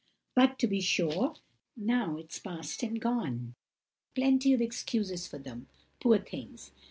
But, to be sure, now it's past and gone—I can make plenty of excuses for them, poor things!